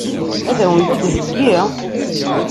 Ad wen-t-id-theggi?